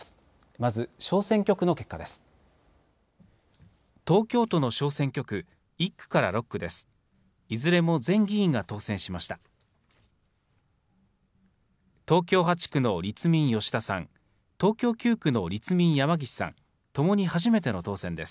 まず小選挙区の結果です。